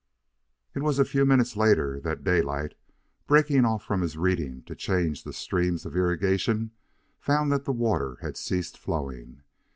It was a few minutes later that Daylight, breaking off from his reading to change the streams of irrigation, found that the water had ceased flowing.